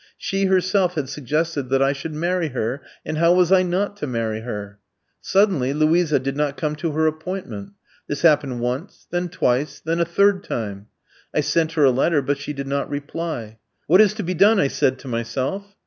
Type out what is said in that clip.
She herself had suggested that I should marry her, and how was I not to marry her? Suddenly Luisa did not come to her appointment. This happened once, then twice, then a third time. I sent her a letter, but she did not reply. 'What is to be done?' I said to myself.